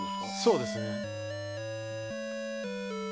そうですね。